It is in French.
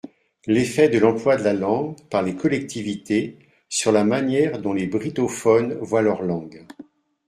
L’effet de l’emploi de la langue par les collectivités sur la manière dont les brittophones voient leur langue.